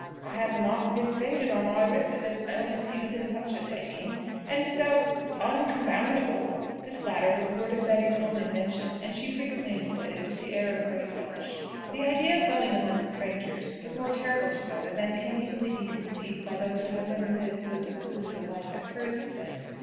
I have the mark of his fingers on my wrist at this moment; he was in such a taking, and so so uncumboundable." This latter was a word of Betty's own invention, and she frequently employed it with an air of great relish. The idea of going amongst strangers was more terrible to Rhoda than can easily be conceived by those who have never lived so secluded a life as hers had been.